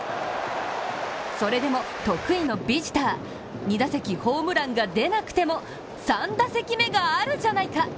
それでも得意のビジター、２打席ホームランが出なくても３打席目があるじゃないか。